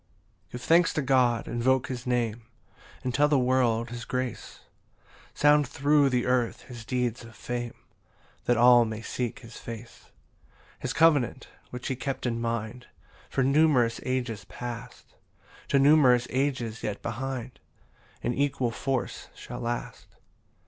1 Give thanks to God, invoke his Name, And tell the world his grace; Sound thro' the earth his deeds of fame, That all may seek his face. 2 His covenant, which he kept in mind For numerous ages past, To numerous ages yet behind, In equal force shall last.